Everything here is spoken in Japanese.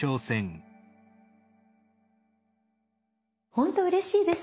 本当うれしいです。